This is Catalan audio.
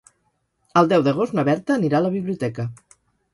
El deu d'agost na Berta anirà a la biblioteca.